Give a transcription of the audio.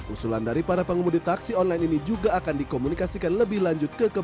usulan dari para pengemudi taksi online ini juga akan dikomunikasikan lebih lanjut ke kpu